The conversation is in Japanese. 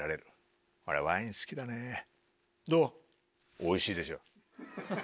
おいしいでしょ？